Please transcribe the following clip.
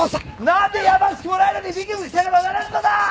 なんでやましくもないのにビクビクせねばならんのだ！